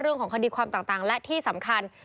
เรื่องของคดีความต่างและที่สำคัญ